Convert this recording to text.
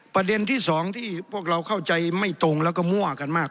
ประเด็นที่สองที่พวกเราเข้าใจไม่ตรงแล้วก็มั่วกันมาก